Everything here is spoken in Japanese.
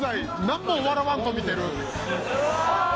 何も笑わんと見てる。